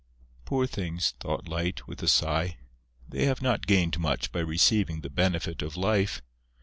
"Poor things!" thought Light, with a sigh. "They have not gained much by receiving the benefit of life!